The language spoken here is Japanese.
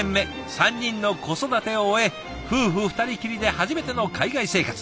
３人の子育てを終え夫婦２人きりで初めての海外生活。